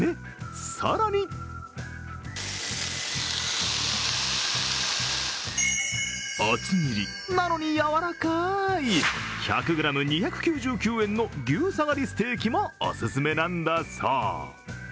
更に厚切りなのに柔らかい、１００ｇ２９９円の牛サガリステーキもお勧めなんだそう。